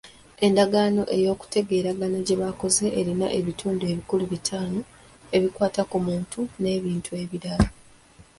Endagaano ey'okutegeeragana gye bakozesa erina ebitundu ebikulu bitaano, ebikwata ku muntu n'ebintu ebirala.